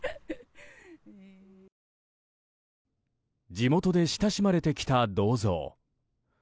地元で親しまれてきた銅像。